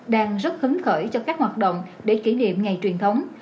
đang rất hứng khởi cho các hoạt động để kỷ niệm ngày truyền thống